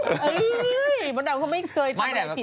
เฮ้ยมดดำก็ไม่เคยทำอะไรผิดแค่นี้